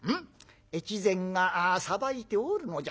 越前が裁いておるのじゃ。